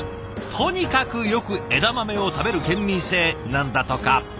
とにかくよく枝豆を食べる県民性なんだとか。